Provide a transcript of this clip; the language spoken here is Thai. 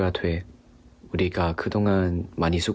และติดตามเจอกัน